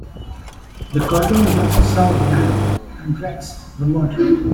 The corridor is also served by Amtrak's Vermonter.